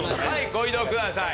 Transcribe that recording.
ご移動ください。